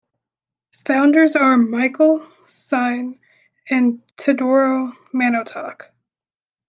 Founders are Michael Singh and Teodoro Manotoc.